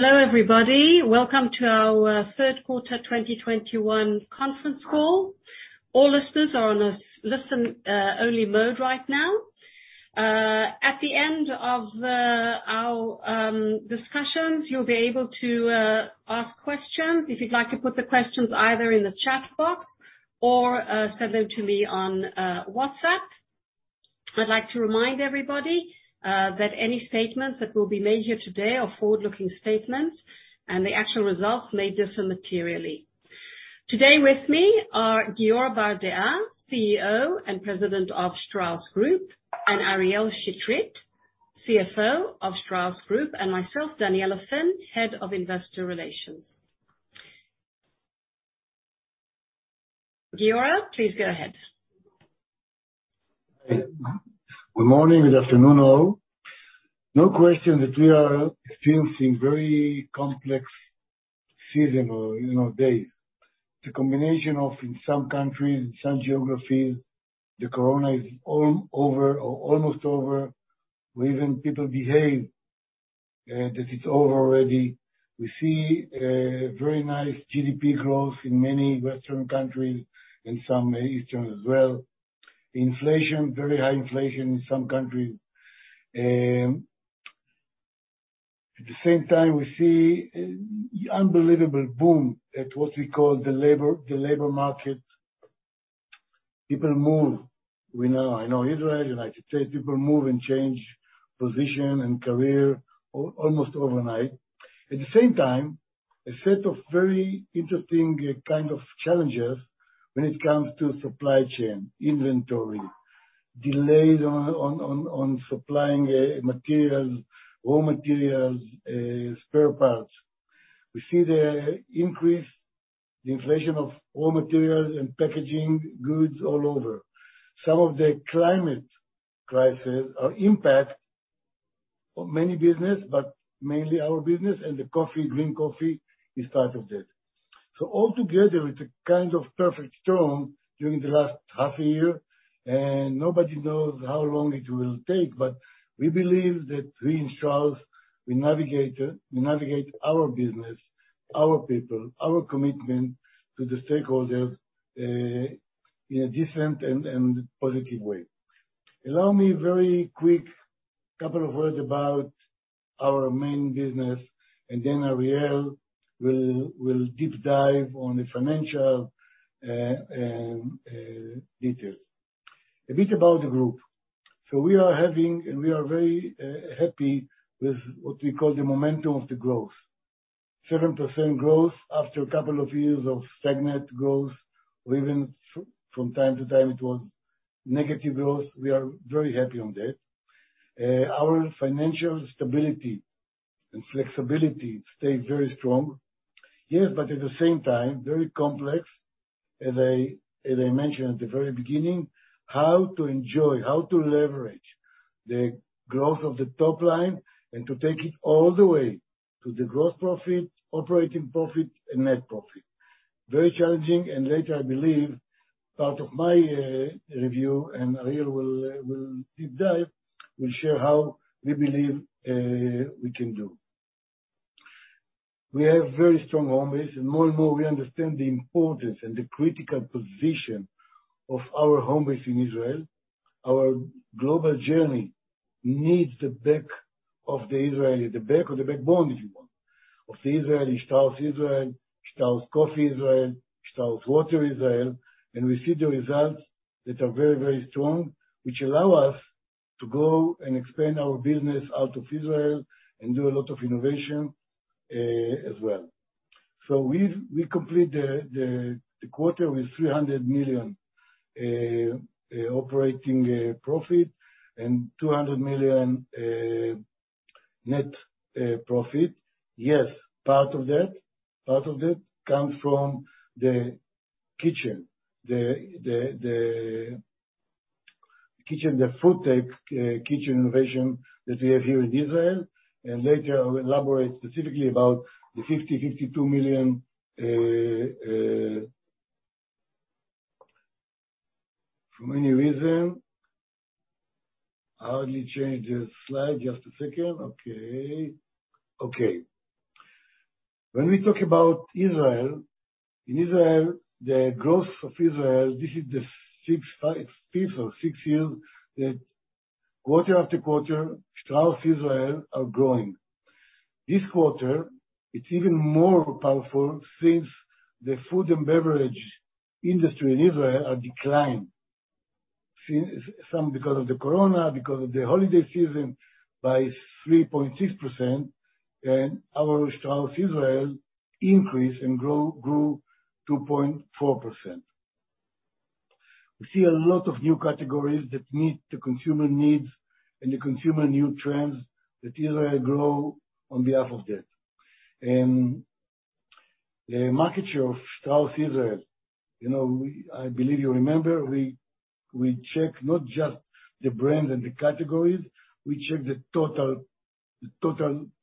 Hello everybody. Welcome to our third quarter 2021 conference call. All listeners are in listen-only mode right now. At the end of our discussions, you'll be able to ask questions. If you'd like to put the questions either in the chat box or send them to me on WhatsApp. I'd like to remind everybody that any statements that will be made here today are forward-looking statements, and the actual results may differ materially. Today with me are Giora Bardea, CEO and President of Strauss Group, and Ariel Chetrit, CFO of Strauss Group, and myself, Daniella Finn, Head of Investor Relations. Giora, please go ahead. Good morning and afternoon, all. No question that we are experiencing very complex season or, you know, days. The combination of in some countries, in some geographies, the corona is almost over, or even people behave that it's over already. We see very nice GDP growth in many Western countries and some Eastern as well. Inflation, very high inflation in some countries. At the same time, we see unbelievable boom at what we call the labor market. People move. We know, I know Israel, United States, people move and change position and career almost overnight. At the same time, a set of very interesting kind of challenges when it comes to supply chain, inventory, delays on supplying materials, raw materials, spare parts. We see the increase, the inflation of raw materials and packaging goods all over. Some of the climate crisis impacts many businesses, but mainly our business, and the coffee, green coffee is part of that. All together, it's a kind of perfect storm during the last half a year, and nobody knows how long it will take. We believe that we in Strauss, we navigate our business, our people, our commitment to the stakeholders, in a decent and positive way. Allow me very quick couple of words about our main business, and then Ariel will deep dive on the financial details. A bit about the group. We are very happy with what we call the momentum of the growth. 7% growth after a couple of years of stagnant growth, or even from time to time, it was negative growth. We are very happy on that. Our financial stability and flexibility stay very strong. Yes, but at the same time, very complex. As I mentioned at the very beginning, how to enjoy, how to leverage the growth of the top line and to take it all the way to the gross profit, operating profit and net profit. Very challenging, and later, I believe, part of my review, and Ariel will deep dive, will share how we believe we can do. We have very strong home base, and more and more, we understand the importance and the critical position of our home base in Israel. Our global journey needs the backbone, if you want, of the Israeli Strauss Israel, Strauss Coffee Israel, Strauss Water Israel, and we see the results that are very, very strong, which allow us to go and expand our business out of Israel and do a lot of innovation as well. We complete the quarter with 300 million operating profit and 200 million net profit. Yes, part of that comes from the kitchen, the food tech kitchen innovation that we have here in Israel, and later I will elaborate specifically about the 52 million. For many reasons, hold on, change the slide. Just a second. Okay. When we talk about Israel, in Israel, the growth of Israel, this is the fifth or sixth years that quarter after quarter, Strauss Israel are growing. This quarter, it's even more powerful since the food and beverage industry in Israel are declined. Since because of the corona, because of the holiday season, by 3.6%, and our Strauss Israel increased and grew 2.4%. We see a lot of new categories that meet the consumer needs and the consumer new trends that Israel grow on behalf of that. The market share of Strauss Israel, you know, I believe you remember, we check not just the brands and the categories, we check the total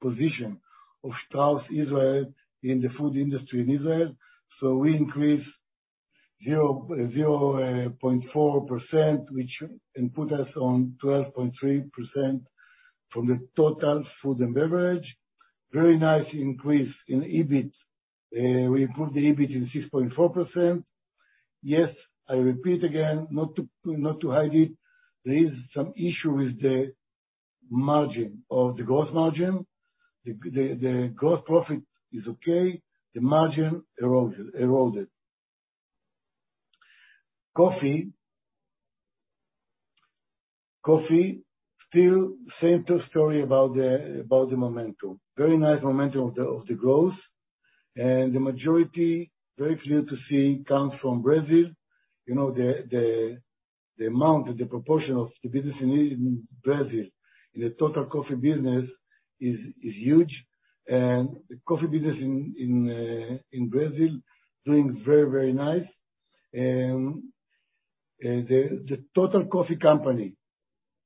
position of Strauss Israel in the food industry in Israel. We increased 0.4%, which puts us at 12.3% of the total food and beverage. Very nice increase in EBIT. We improved the EBIT by 6.4%. Yes, I repeat again, not to hide it, there is some issue with the margin or the gross margin. The gross profit is okay, the margin eroded. Coffee still same true story about the momentum. Very nice momentum of the growth. The majority, very clear to see, comes from Brazil. You know, the amount and the proportion of the business in Brazil in the total coffee business is huge. The coffee business in Brazil doing very nice. The total coffee company,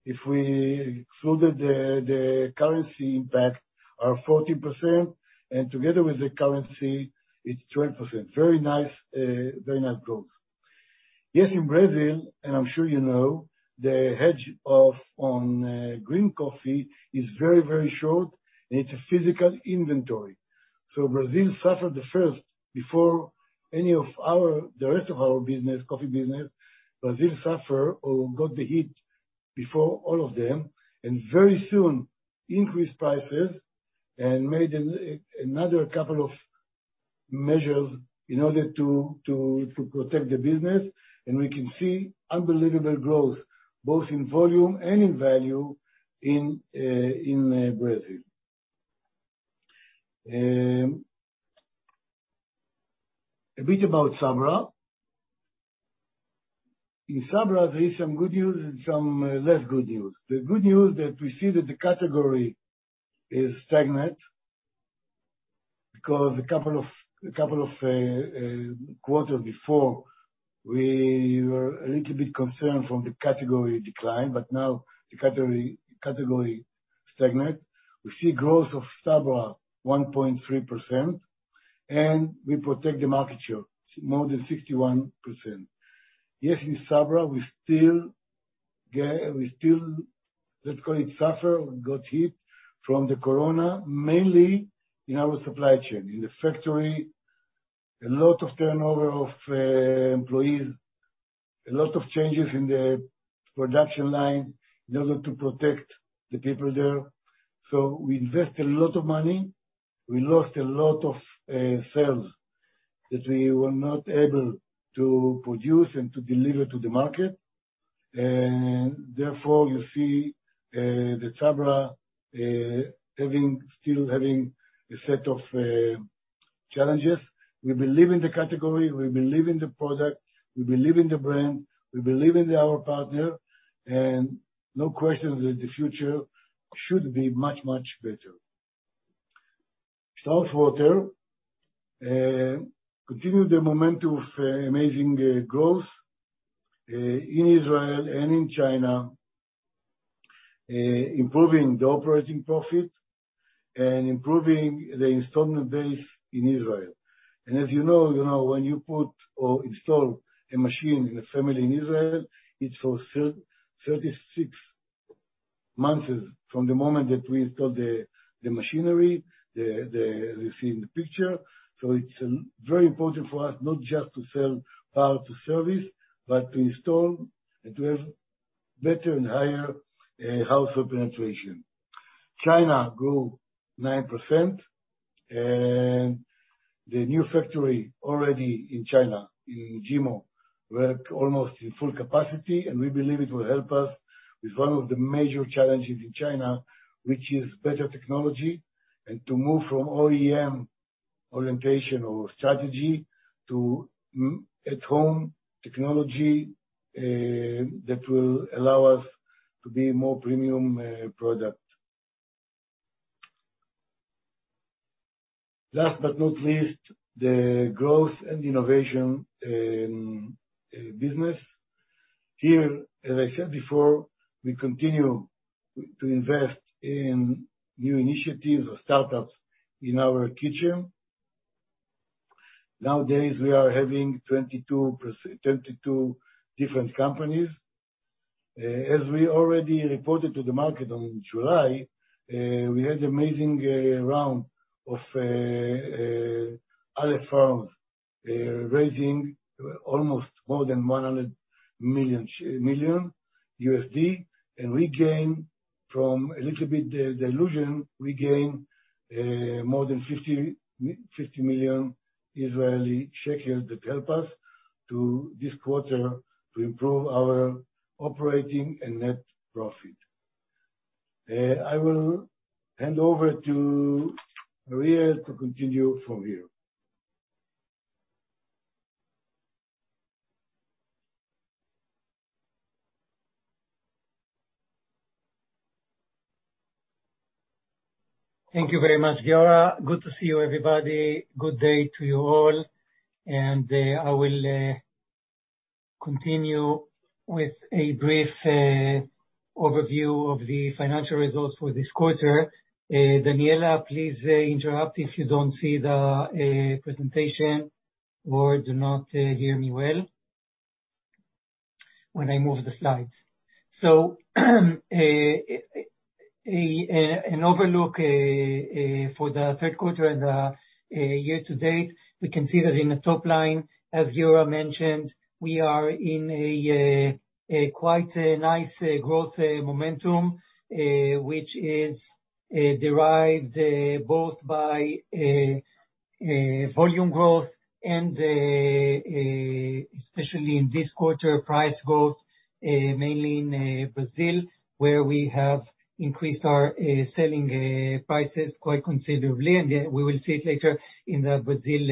if we excluded the currency impact, are 14%, and together with the currency, it's 20%. Very nice growth. Yes, in Brazil, and I'm sure you know, the hedge off on green coffee is very, very short, and it's a physical inventory. So Brazil suffered the first. Before any of our the rest of our business, coffee business, Brazil suffer or got the hit before all of them. Very soon, increased prices and made another couple of measures in order to protect the business. We can see unbelievable growth, both in volume and in value in Brazil. A bit about Sabra. In Sabra, there is some good news and some less good news. The good news is that we see that the category is stagnant, because a couple of quarters before, we were a little bit concerned about the category decline, but now the category stagnant. We see growth of Sabra 1.3%, and we protect the market share, more than 61%. Yes, in Sabra, we still, let's call it, suffer or got hit by the coronavirus, mainly in our supply chain. In the factory, a lot of turnover of employees, a lot of changes in the production line in order to protect the people there. So we invest a lot of money. We lost a lot of sales that we were not able to produce and to deliver to the market. Therefore, you see the Sabra having still having a set of challenges. We believe in the category, we believe in the product, we believe in the brand, we believe in our partner, and no question that the future should be much, much better. Strauss Water continue the momentum of amazing growth in Israel and in China, improving the operating profit and improving the installed base in Israel. As you know, when you put or install a machine in a family in Israel, it's for 36 months from the moment that we install the you see in the picture. It's very important for us not just to sell parts or service, but to install and to have better and higher household penetration. China grew 9%, and the new factory already in China, in Qingdao, work almost in full capacity, and we believe it will help us with one of the major challenges in China, which is better technology and to move from OEM orientation or strategy to at-home technology that will allow us to be more premium product. Last but not least, the growth and innovation in business. Here, as I said before, we continue to invest in new initiatives or startups in our kitchen. Nowadays, we are having 22 different companies. As we already reported to the market on July, we had amazing round of Aleph Farms, raising almost more than $100 million. We gain from a little bit the dilution, more than 50 million Israeli shekels that help us to this quarter to improve our operating and net profit. I will hand over to Ariel to continue from here. Thank you very much, Giora. Good to see you, everybody. Good day to you all, and I will continue with a brief overview of the financial results for this quarter. Daniella, please interrupt if you don't see the presentation or do not hear me well when I move the slides. An overview for the third quarter and year to date, we can see that in the top line, as Giora mentioned, we are in a quite nice growth momentum, which is derived both by volume growth and especially in this quarter, price growth, mainly in Brazil, where we have increased our selling prices quite considerably, and we will see it later in the Brazil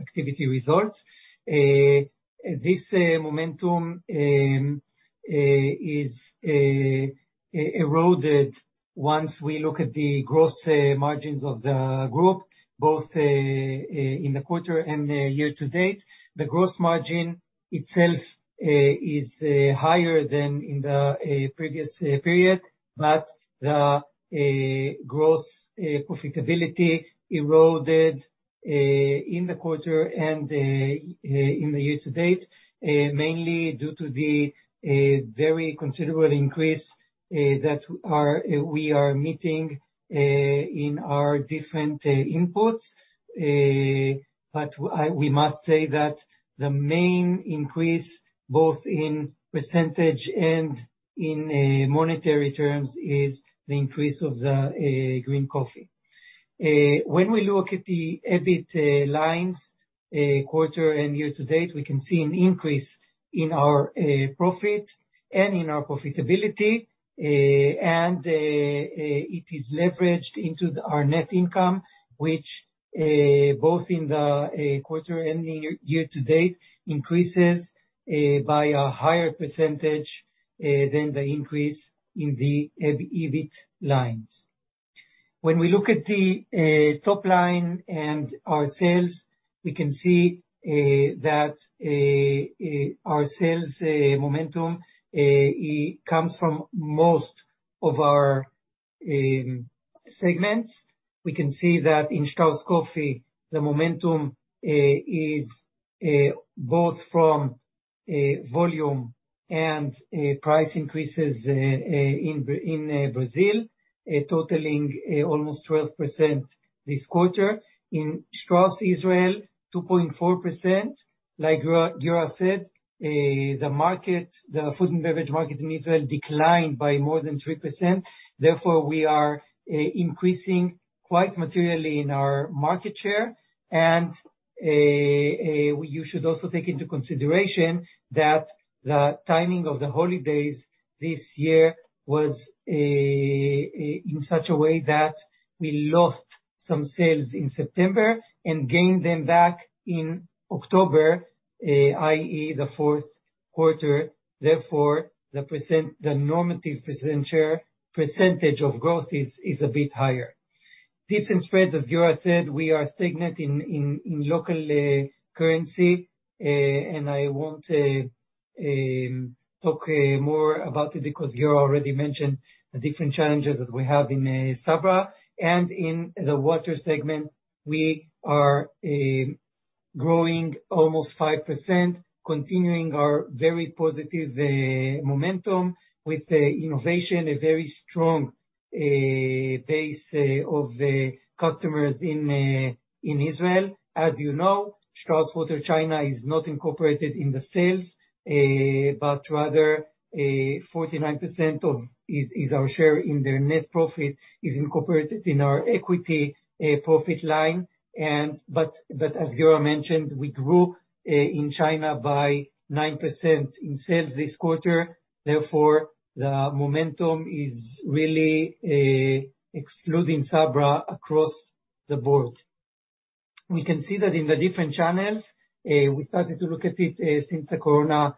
activity results. This momentum is eroded once we look at the gross margins of the group, both in the quarter and the year to date. The gross margin itself is higher than in the previous period, but the gross profitability eroded in the quarter and in the year to date, mainly due to the very considerable increase that we are meeting in our different imports. We must say that the main increase, both in percentage and in monetary terms, is the increase of the green coffee. When we look at the EBIT lines, quarter and year to date, we can see an increase in our profit and in our profitability, and it is leveraged into our net income, which both in the quarter and the year to date, increases by a higher percentage than the increase in the EBIT lines. When we look at the top line and our sales, we can see that our sales momentum comes from most of our segments. We can see that in Strauss Coffee, the momentum is both from volume and price increases in Brazil, totaling almost 12% this quarter. In Strauss Israel, 2.4%. Like Giora said, the market, the food and beverage market in Israel declined by more than 3%, therefore, we are increasing quite materially in our market share. You should also take into consideration that the timing of the holidays this year was in such a way that we lost some sales in September and gained them back in October, i.e., the fourth quarter. Therefore, the normative percentage of growth is a bit higher. Different spreads, as Giora said, we are stagnant in local currency. I won't talk more about it because Giora already mentioned the different challenges that we have in Sabra. In the water segment, we are growing almost 5%, continuing our very positive momentum with the innovation, a very strong base of customers in Israel. As you know, Strauss Water China is not incorporated in the sales, but rather 49% is our share in their net profit is incorporated in our equity profit line. But as Giora mentioned, we grew in China by 9% in sales this quarter, therefore, the momentum is really excluding Sabra across the board. We can see that in the different channels, we started to look at it since the coronavirus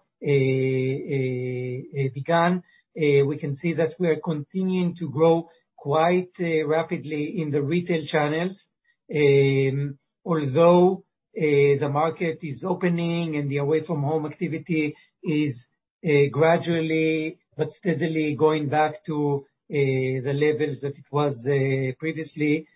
began. We can see that we are continuing to grow quite rapidly in the retail channels, although the market is opening and the away-from-home activity is gradually but steadily going back to the levels that it was previously.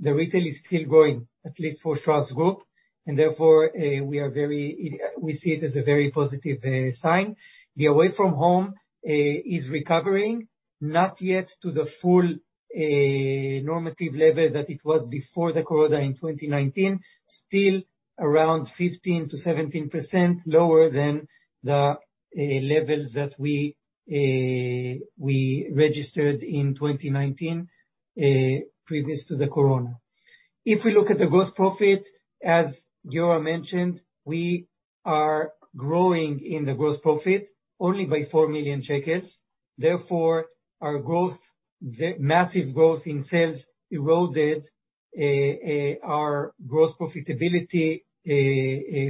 The retail is still growing, at least for Strauss Group, and therefore we see it as a very positive sign. The away-from-home is recovering, not yet to the full normative level that it was before the Corona in 2019. Still around 15%-17% lower than the levels that we registered in 2019 previous to the Corona. If we look at the gross profit, as Giora mentioned, we are growing in the gross profit only by 4 million shekels, therefore, our growth, the massive growth in sales eroded our gross profitability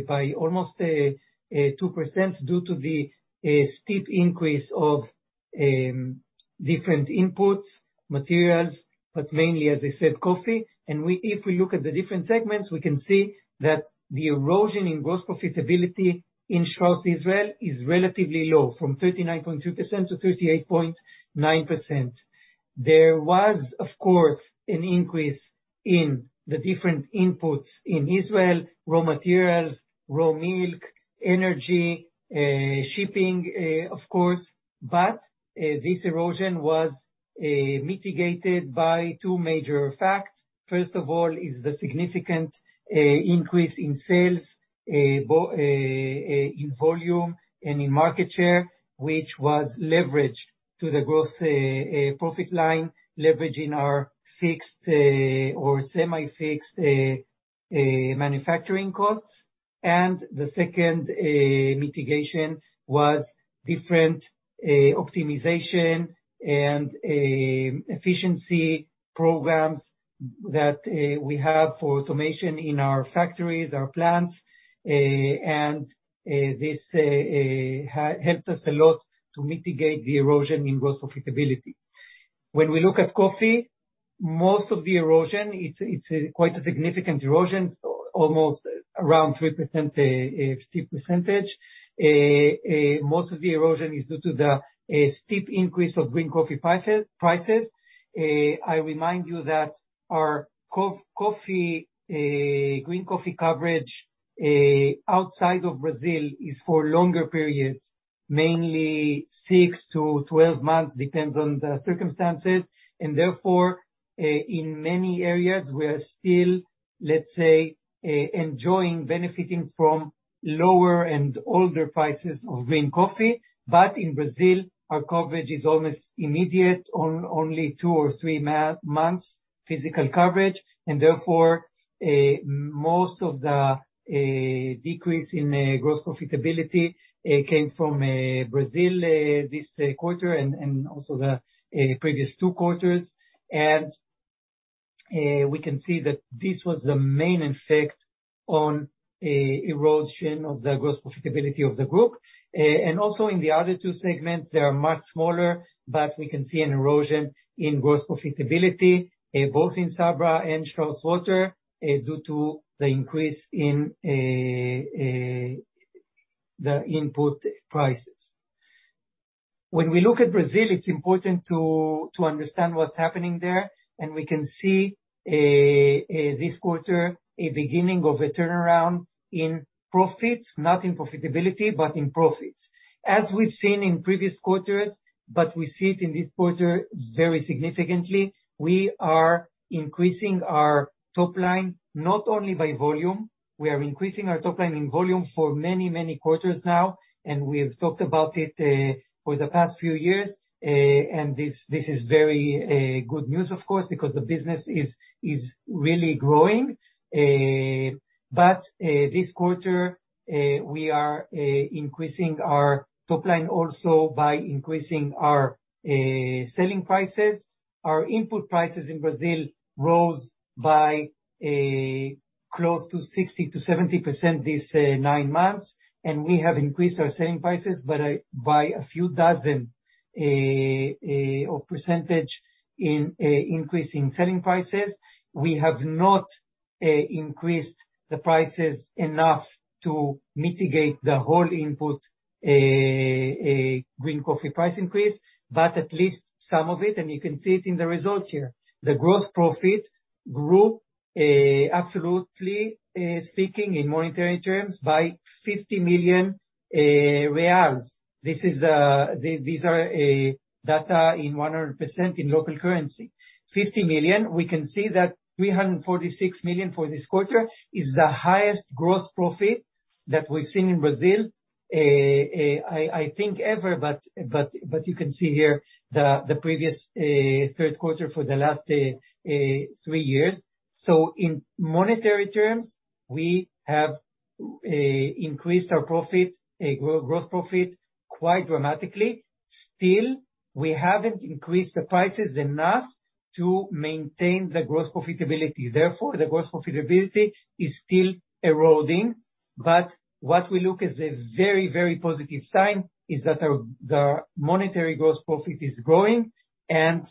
by almost 2% due to the steep increase of different inputs, materials, but mainly, as I said, coffee. If we look at the different segments, we can see that the erosion in gross profitability in Strauss Israel is relatively low, from 39.2% to 38.9%. There was, of course, an increase in the different inputs in Israel, raw materials, raw milk, energy, shipping, of course. This erosion was mitigated by two major facts. First of all is the significant increase in sales both in volume and in market share, which was leveraged to the gross profit line, leveraging our fixed or semi-fixed manufacturing costs. The second mitigation was different optimization and efficiency programs that we have for automation in our factories, our plants. This helped us a lot to mitigate the erosion in gross profitability. When we look at coffee, most of the erosion, it's quite a significant erosion, almost around 3%, a steep percentage. Most of the erosion is due to the steep increase of green coffee prices. I remind you that our coffee green coffee coverage outside of Brazil is for longer periods, mainly 6-12 months, depends on the circumstances. Therefore, in many areas, we are still, let's say, enjoying benefiting from lower and older prices of green coffee. In Brazil, our coverage is almost immediate, only two or three months physical coverage, and therefore, most of the decrease in gross profitability came from Brazil this quarter and also the previous two quarters. We can see that this was the main effect on erosion of the gross profitability of the group. Also in the other two segments, they are much smaller, but we can see an erosion in gross profitability both in Sabra and Strauss Water due to the increase in the input prices. When we look at Brazil, it's important to understand what's happening there. We can see this quarter a beginning of a turnaround in profits. Not in profitability, but in profits. As we've seen in previous quarters, but we see it in this quarter very significantly, we are increasing our top line, not only by volume. We are increasing our top line in volume for many, many quarters now, and we have talked about it for the past few years. This is very good news, of course, because the business is really growing. This quarter we are increasing our top line also by increasing our selling prices. Our input prices in Brazil rose by close to 60%-70% these nine months, and we have increased our selling prices by a few dozen percent increase in selling prices. We have not increased the prices enough to mitigate the whole input green coffee price increase, but at least some of it, and you can see it in the results here. The gross profit grew absolutely speaking in monetary terms by 50 million reais. These are data in 100% in local currency. 50 million, we can see that 346 million for this quarter is the highest gross profit that we've seen in Brazil. I think ever, but you can see here the previous third quarter for the last three years. In monetary terms, we have increased our gross profit quite dramatically. Still, we haven't increased the prices enough to maintain the gross profitability. Therefore, the gross profitability is still eroding. What we look at as a very, very positive sign is that our monetary gross profit is growing and,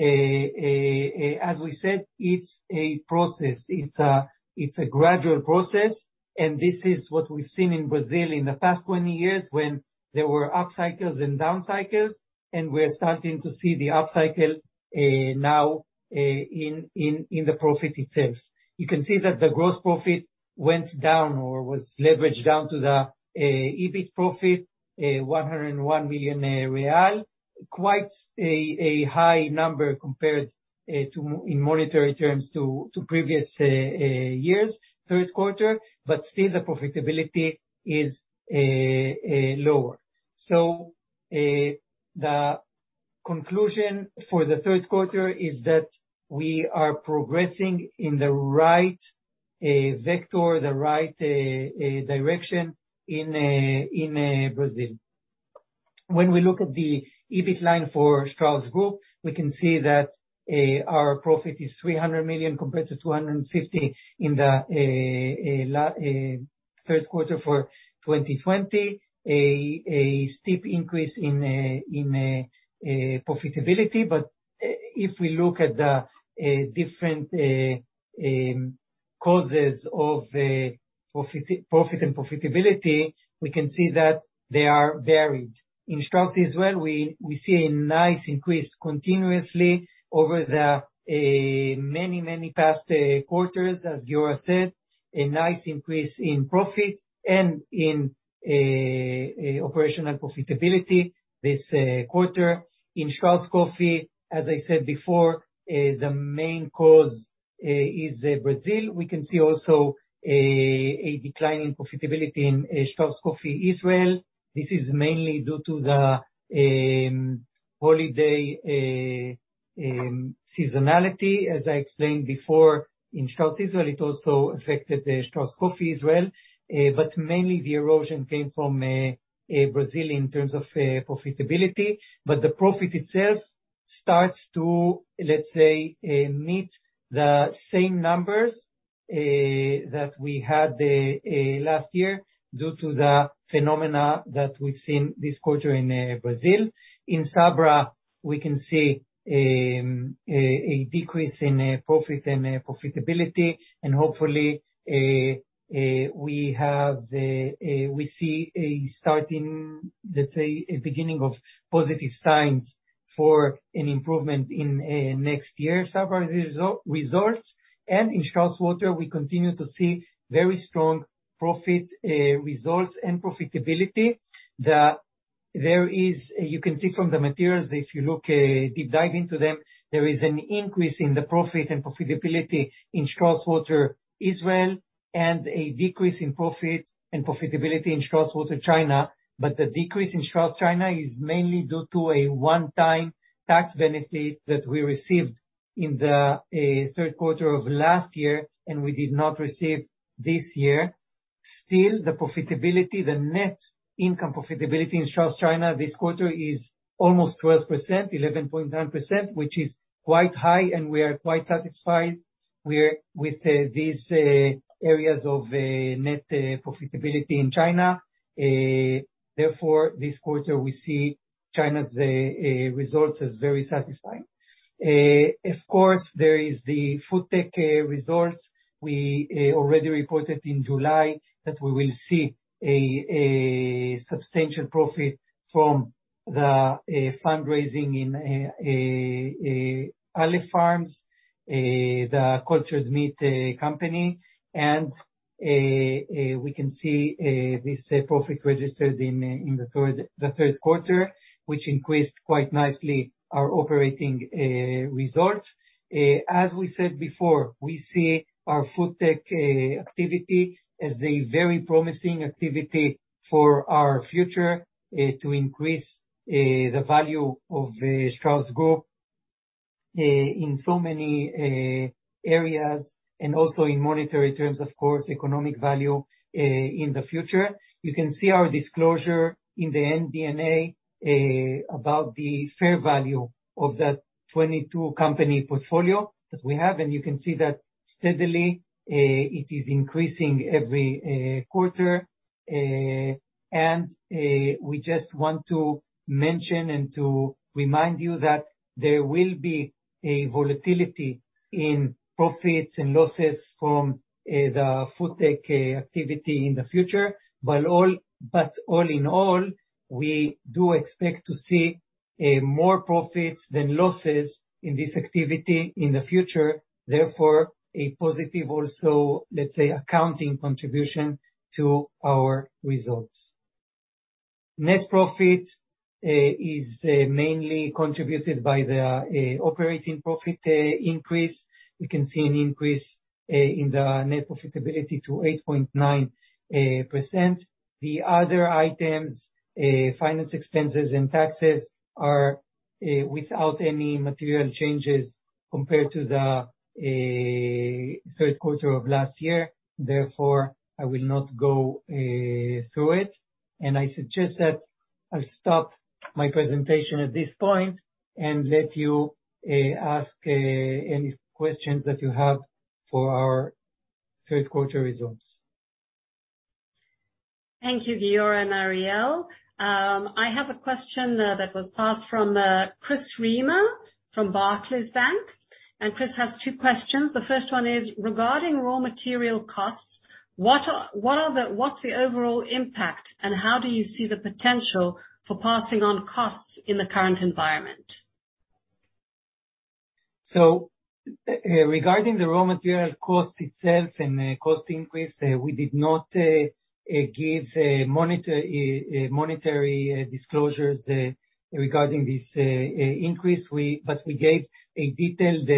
as we said, it's a process. It's a gradual process, and this is what we've seen in Brazil in the past 20 years when there were up cycles and down cycles, and we're starting to see the up cycle now in the profit itself. You can see that the gross profit went down or was leveraged down to the EBIT profit, 101 million real. Quite a high number compared to in monetary terms to previous years' third quarter, but still the profitability is lower. The conclusion for the third quarter is that we are progressing in the right direction in Brazil. When we look at the EBIT line for Strauss Group, we can see that our profit is 300 million compared to 250 million in the third quarter of 2020, a steep increase in profitability, but if we look at the different causes of profit and profitability, we can see that they are varied. In Strauss Israel, we see a nice increase continuously over the many past quarters, as Giora said, a nice increase in profit and in operational profitability this quarter. In Strauss Coffee, as I said before, the main cause is Brazil. We can see also a decline in profitability in Strauss Coffee Israel. This is mainly due to the holiday seasonality, as I explained before in Strauss Israel. It also affected the Strauss Coffee Israel, but mainly the erosion came from Brazil in terms of profitability. The profit itself starts to, let's say, meet the same numbers that we had last year due to the phenomena that we've seen this quarter in Brazil. In Sabra, we can see a decrease in profit and profitability, and hopefully, we see a starting, let's say, a beginning of positive signs for an improvement in next year's Sabra results. In Strauss Water, we continue to see very strong profit results and profitability. You can see from the materials if you look, deep dive into them, there is an increase in the profit and profitability in Strauss Water Israel, and a decrease in profit and profitability in Strauss Water China. The decrease in Strauss China is mainly due to a one-time tax benefit that we received in the third quarter of last year, and we did not receive this year. Still, the profitability, the net income profitability in Strauss China this quarter is almost 12%, 11.9%, which is quite high, and we are quite satisfied with these areas of net profitability in China. Therefore, this quarter we see China's results as very satisfying. Of course, there is the food tech results. We already reported in July that we will see a substantial profit from the fundraising in Aleph Farms, the cultured meat company, and we can see this profit registered in the third quarter, which increased quite nicely our operating results. As we said before, we see our food tech activity as a very promising activity for our future to increase the value of Strauss Group in so many areas, and also in monetary terms, of course, economic value in the future. You can see our disclosure in the MD&A about the fair value of that 22 company portfolio that we have. You can see that steadily it is increasing every quarter. We just want to mention and to remind you that there will be a volatility in profits and losses from the food tech activity in the future. All in all, we do expect to see more profits than losses in this activity in the future, therefore also a positive, let's say, accounting contribution to our results. Net profit is mainly contributed by the operating profit increase. We can see an increase in the net profitability to 8.9%. The other items, finance expenses and taxes are without any material changes compared to the third quarter of last year. Therefore, I will not go through it, and I suggest that I stop my presentation at this point and let you ask any questions that you have for our third quarter results. Thank you, Giora and Ariel. I have a question that was passed from Chris Riemer from Barclays Bank, and Chris has two questions. The first one is regarding raw material costs, what's the overall impact, and how do you see the potential for passing on costs in the current environment? Regarding the raw material cost itself and the cost increase, we did not give monetary disclosures regarding this increase. We gave a detailed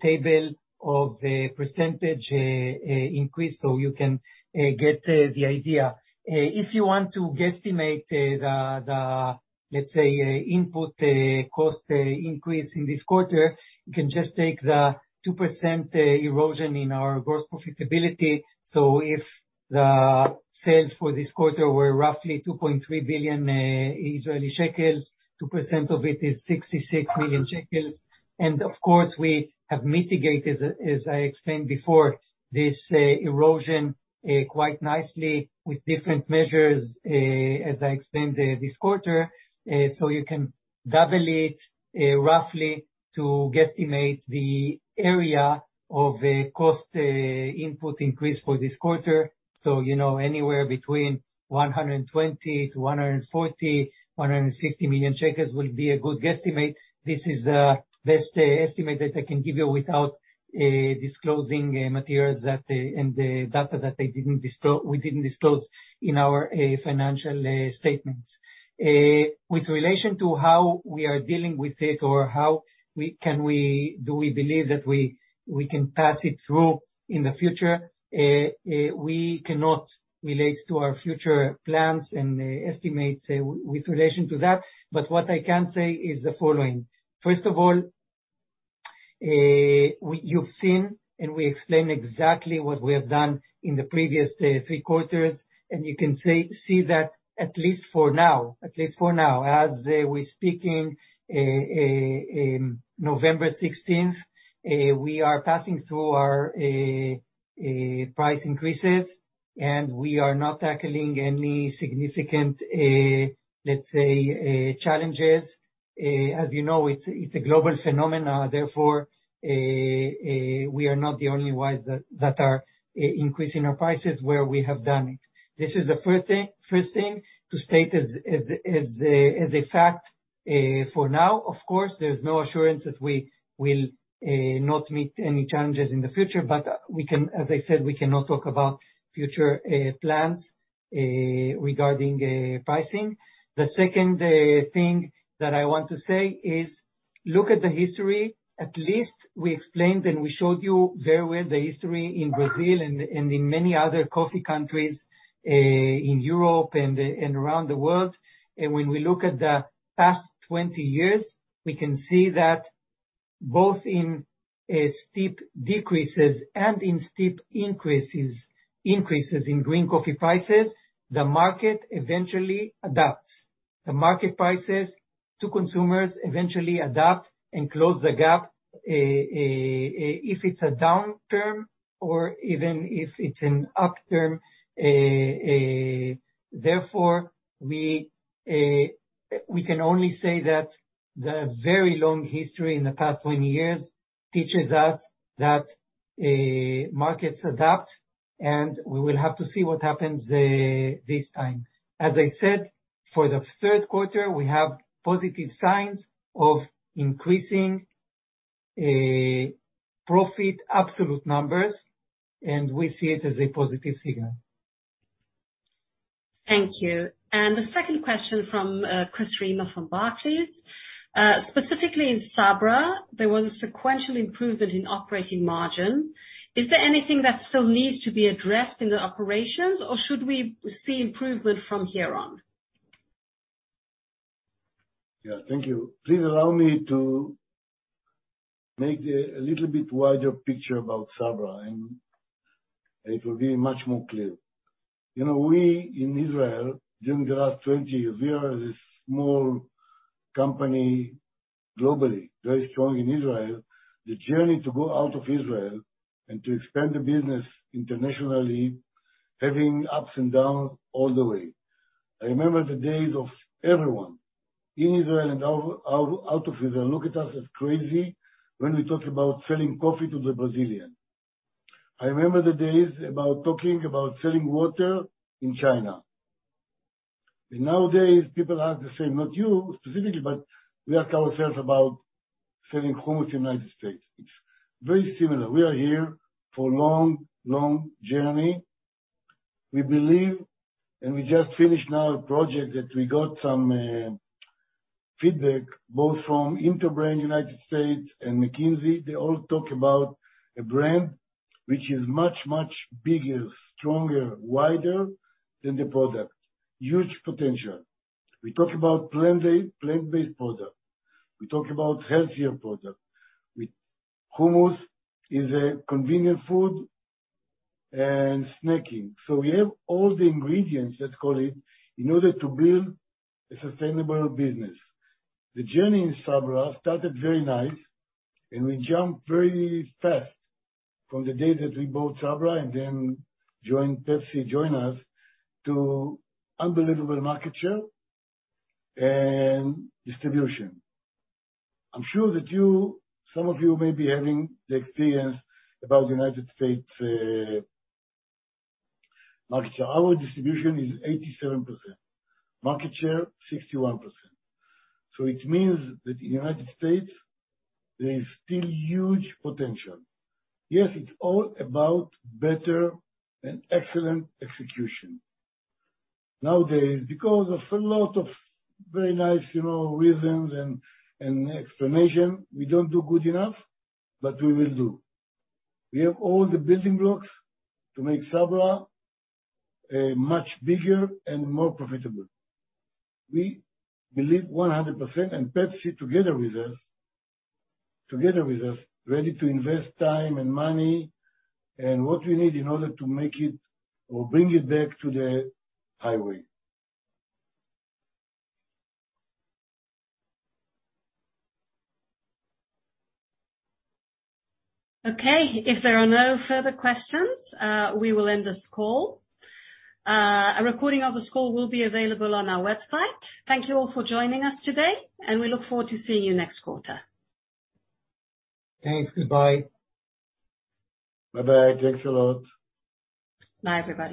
table of the percentage increase. You can get the idea. If you want to guesstimate, let's say, the input cost increase in this quarter, you can just take the 2% erosion in our gross profitability. If the sales for this quarter were roughly 2.3 billion Israeli shekels, 2% of it is 66 million shekels. Of course, we have mitigated, as I explained before, this erosion quite nicely with different measures, as I explained, this quarter. You can double it roughly to guesstimate the area of a cost input increase for this quarter. You know, anywhere between 120 million to 140 million, 150 million shekels will be a good guesstimate. This is the best estimate that I can give you without disclosing materials and the data that we didn't disclose in our financial statements. With relation to how we are dealing with it or do we believe that we can pass it through in the future, we cannot relate to our future plans and estimates with relation to that. What I can say is the following. First of all, you've seen, and we explained exactly what we have done in the previous three quarters, and you can see that, at least for now, as we're speaking, November 16th, we are passing through our price increases, and we are not tackling any significant, let's say, challenges. As you know, it's a global phenomenon, therefore, we are not the only ones that are increasing our prices where we have done it. This is the first thing to state as a fact, for now, of course, there's no assurance that we will not meet any challenges in the future, but we can. As I said, we cannot talk about future plans regarding pricing. The second thing that I want to say is look at the history. At least we explained and we showed you very well the history in Brazil and in many other coffee countries in Europe and around the world. When we look at the past 20 years, we can see that both in steep decreases and in steep increases in green coffee prices, the market eventually adapts. The market prices to consumers eventually adapt and close the gap if it's a downturn or even if it's an upturn. Therefore, we can only say that the very long history in the past 20 years teaches us that markets adapt, and we will have to see what happens this time. As I said, for the third quarter, we have positive signs of increasing profit absolute numbers, and we see it as a positive signal. Thank you. The second question from Chris Riemer from Barclays. Specifically in Sabra, there was a sequential improvement in operating margin. Is there anything that still needs to be addressed in the operations, or should we see improvement from here on? Yeah. Thank you. Please allow me to make a little bit wider picture about Sabra, and it will be much more clear. You know, we in Israel, during the last 20 years, we are this small company, globally very strong in Israel. The journey to go out of Israel and to expand the business internationally, having ups and downs all the way. I remember the days of everyone in Israel and out of Israel look at us as crazy when we talk about selling coffee to the Brazilians. I remember the days about talking about selling water in China. Nowadays, people ask the same, not you specifically, but we ask ourselves about selling hummus in the United States. It's very similar. We are here for long journey. We believe, and we just finished now a project that we got some feedback both from Interbrand United States and McKinsey. They all talk about a brand which is much, much bigger, stronger, wider than the product. Huge potential. We talk about plant-based product. We talk about healthier product. With hummus is a convenient food and snacking. We have all the ingredients, let's call it, in order to build a sustainable business. The journey in Sabra started very nice, and we jumped very fast from the day that we bought Sabra and then Pepsi joined us to unbelievable market share and distribution. I'm sure that you, some of you may be having the experience about United States market share. Our distribution is 87%. Market share, 61%. It means that in the United States, there is still huge potential. Yes, it's all about better and excellent execution. Nowadays, because of a lot of very nice, you know, reasons and explanation, we don't do good enough, but we will do. We have all the building blocks to make Sabra much bigger and more profitable. We believe 100%, and Pepsi together with us ready to invest time and money and what we need in order to make it or bring it back to the highway. Okay. If there are no further questions, we will end this call. A recording of this call will be available on our website. Thank you all for joining us today, and we look forward to seeing you next quarter. Thanks. Goodbye. Bye-bye. Thanks a lot. Bye, everybody.